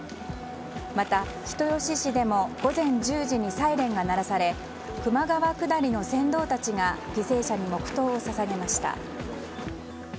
また、人吉市でも午前１０時にサイレンが鳴らされ球磨川くだりの船頭たちが犠牲者に黙祷を捧げました。